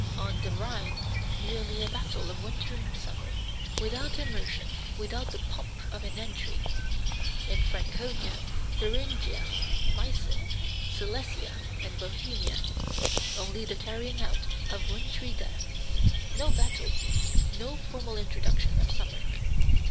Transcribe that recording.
On the Rhine merely a battle of winter and summer, without immersion, without the pomp of an entry. In Franconia, Thuringia, Meissen, Silesia, and Bohemia only the carrying out of wintry death; no battle, no formal introduction of summer.